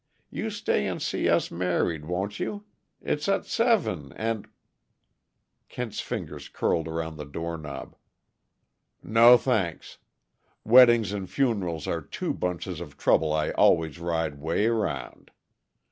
you stay and see us married, won't you? It's at seven, and " Kent's fingers curled around the doorknob. "No, thanks. Weddings and funerals are two bunches of trouble I always ride 'way around.